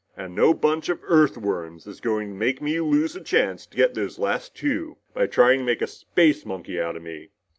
And no bunch of Earthworms is going to make me lose the chance to get those last two by trying to make a space monkey out of me!"